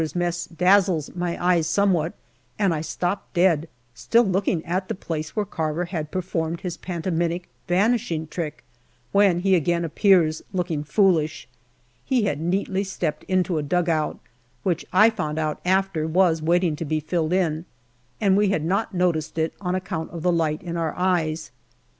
mess dazzles my eyes somewhat, and I stop dead, still looking at the place where Carver had performed his pantomimic vanishing trick, when he again appears, looking foolish. He had neatly stepped into a dugout, 15 " 226 GALLIPOLI DIARY which, I found out after, was waiting to be filled in, and we had not noticed it on account of the light in our eyes.